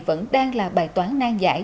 vẫn đang là bài toán nan giải